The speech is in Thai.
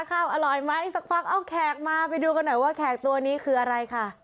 อร่อยไหมสักพักเอาแขกมาไปดูกันหน่อยว่าแขกตัวนี้คืออะไรค่ะ